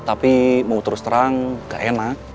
tapi mau terus terang gak enak